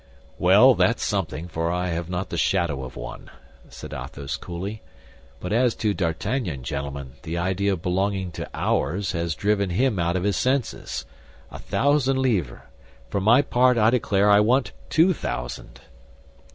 "Well, that's something, for I have not the shadow of one," said Athos coolly; "but as to D'Artagnan, gentlemen, the idea of belonging to ours has driven him out of his senses. A thousand livres! For my part, I declare I want two thousand."